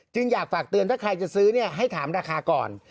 อยากฝากเตือนถ้าใครจะซื้อให้ถามราคาก่อน